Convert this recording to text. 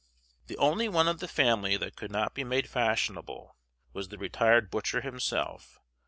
The only one of the family that could not be made fashionable was the retired butcher himself.